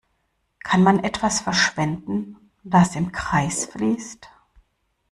Kann man etwas verschwenden, das im Kreis fließt?